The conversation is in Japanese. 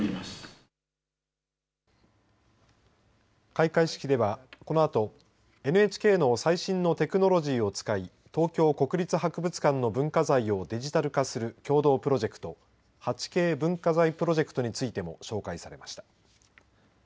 開会式ではこのあとＮＨＫの最新のテクノロジーを使い東京国立博物館の文化財をデジタル化する共同プロジェクト８Ｋ文化財プロジェクトについても紹介されました。